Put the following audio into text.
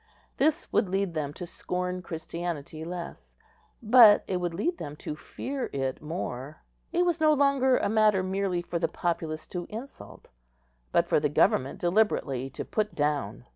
This would lead them to scorn Christianity less, but it would lead them to fear it more. It was no longer a matter merely for the populace to insult, but for government deliberately to put down.